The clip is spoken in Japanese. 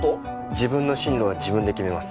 自分の進路は自分で決めます。